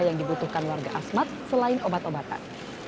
yang dibutuhkan warga asmat selain obat obatan